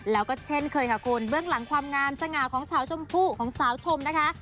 แล้วก็เช่นเคยค่ะคุณเบื้องหลังความงามสง่าของสาวชมพู่ของสาวชมนะคะ